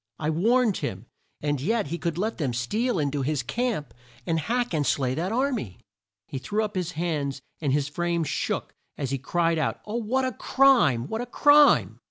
I warned him and yet he could let them steal in to his camp and hack and slay that ar my!" He threw up his hands, and his frame shook, as he cried out "O what a crime! what a crime!"